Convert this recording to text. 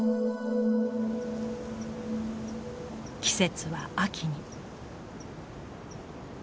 季節は秋に。